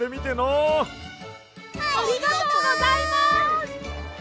ありがとうございます！